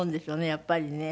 やっぱりね。